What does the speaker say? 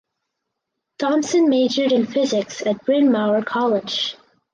Thompson majored in physics at Bryn Mawr College.